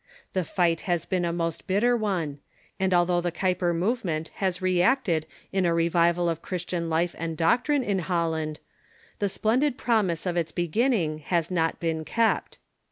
The fight has been a most bitter one ; and although the Kuy per movement has reacted in a revival of Christian life and doctrine in Holland, the splendid promise of its beginning has not been kept.